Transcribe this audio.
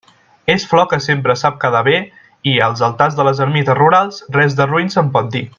És flor que sempre sap quedar bé i, als altars de les ermites rurals res de roín se'n pot dir.